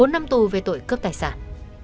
bốn năm tù về tội cướp tài sản